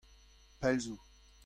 Pell zo.